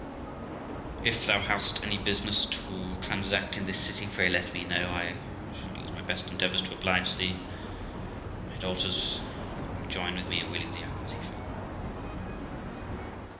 P.S. If thou hast any business to transact in this city, pray let me know; I shall use my best endeavours to oblige thee; my daughters all join with me in willing thee a hearty farewell.'